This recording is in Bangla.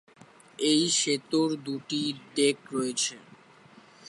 এই সেতুর দুটি ডেক রয়েছে।